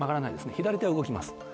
左手は動きます。